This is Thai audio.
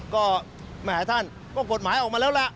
ก็แหมท่านก็กฎหมายออกมาแล้วล่ะ